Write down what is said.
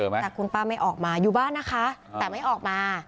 แต่คุณป้าไม่ออกมาอยู่บ้านนะคะแต่ไม่ออกมา